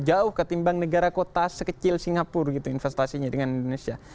jauh ketimbang negara kota sekecil singapura gitu investasinya dengan indonesia